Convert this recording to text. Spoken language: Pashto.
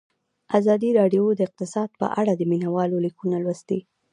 ازادي راډیو د اقتصاد په اړه د مینه والو لیکونه لوستي.